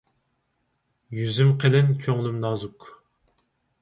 يۈزۈم قېلىن، كۆڭلۈم نازۇك.